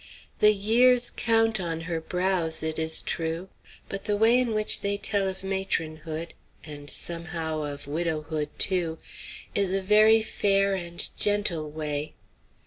The years count on her brows, it is true, but the way in which they tell of matronhood and somehow of widowhood too is a very fair and gentle way.